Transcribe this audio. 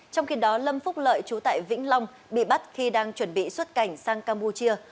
trong khi đó lâm phúc lợi chú tại vĩnh long bị bắt khi đang chuẩn bị xuất cảnh sang campuchia